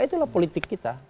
itulah politik kita